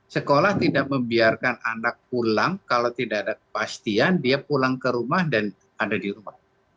sekolah tidak membiarkan anak pulang kalau tidak ada kepastian dia pulang ke rumah dan ada di rumah